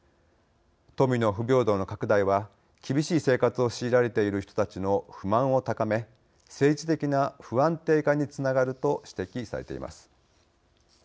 富の不平等の拡大は厳しい生活を強いられている人たちの不満を高め政治的な不安定化につながると指摘されています。